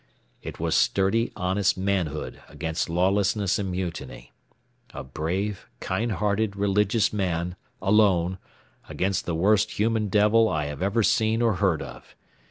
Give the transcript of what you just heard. It was sturdy, honest manhood against lawlessness and mutiny. A brave, kind hearted, religious man, alone, against the worst human devil I have ever seen or heard of.